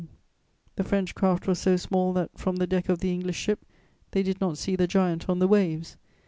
_ The French craft was so small that, from the deck of the English ship, they did not see the giant on the waves.